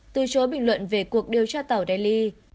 từ chối bình luận về cuộc điều tra tàu delhi